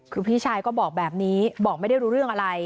คือพี่ชายก็บอกแบบนี้บอกไม่ได้รู้เรื่องอะไร